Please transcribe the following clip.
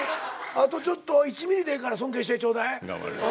あとちょっと１ｍｍでええから尊敬してちょうだい。